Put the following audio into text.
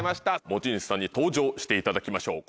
持ち主さんに登場していただきましょう。